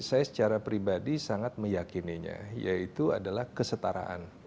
saya secara pribadi sangat meyakininya yaitu adalah kesetaraan